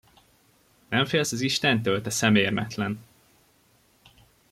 Nem félsz az istentől, te szemérmetlen?